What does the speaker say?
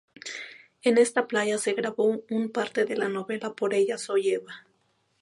En esta playa se grabó un parte de la novela Por ella soy Eva.